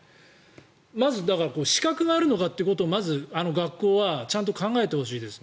まず、資格があるのかということを学校はちゃんと考えてほしいです。